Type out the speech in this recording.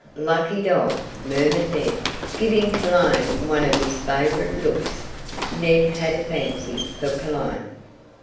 "Lucky dog," murmured Ned, giving Cologne one of his favorite looks (Ned had a fancy for Cologne).